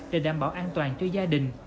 để đảm bảo an toàn cho gia đình